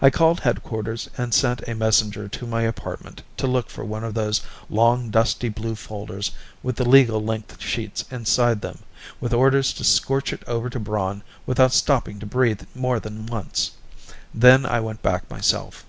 I called headquarters and sent a messenger to my apartment to look for one of those long dusty blue folders with the legal length sheets inside them, with orders to scorch it over to Braun without stopping to breathe more than once. Then I went back myself.